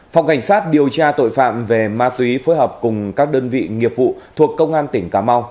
phòng cảnh sát điều tra tội phạm về ma túy phối hợp cùng các đơn vị nghiệp vụ thuộc công an tỉnh cà mau